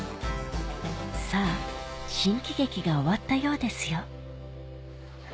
さぁ新喜劇が終わったようですよ